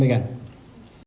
penanganan di indonesia